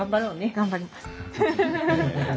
頑張ります。